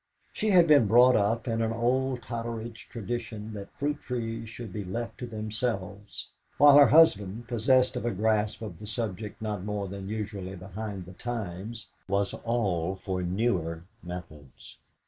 She had been brought up in an old Totteridge tradition that fruit trees should be left to themselves, while her husband, possessed of a grasp of the subject not more than usually behind the times, was all for newer methods.